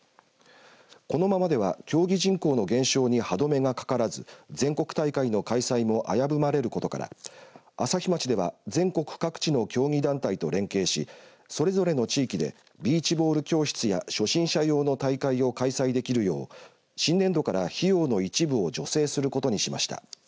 このままでは競技人口の減少に歯止めがかからず全国大会の開催も危ぶまれることから朝日町では全国各地の競技団体と連携しそれぞれの地域でビーチボール教室や初心者用の大会を開催できるよう新年度から費用の一部を助成することにしました。